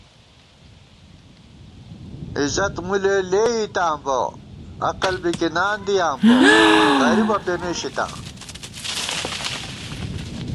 عزت مُلے لېئی تِتاں بہ عقل بِکِنان دِیاں بہ غریبہ پېمېشِتاں